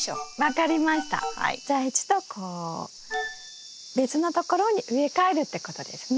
じゃあ一度別のところに植え替えるってことですね。